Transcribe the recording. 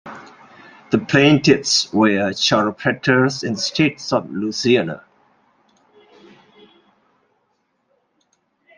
The plaintiffs were chiropractors in the state of Louisiana.